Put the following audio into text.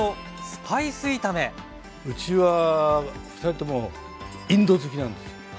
うちは二人ともインド好きなんですよ。